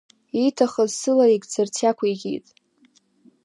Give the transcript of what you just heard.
Ииҭахыз сылаигӡарц иақәикит.